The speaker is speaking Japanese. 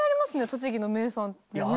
栃木の名産ってね。